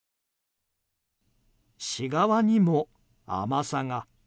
市側にも甘さが。